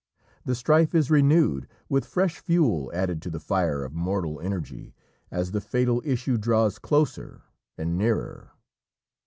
The strife is renewed with fresh fuel added to the fire of mortal energy as the fatal issue draws closer and nearer.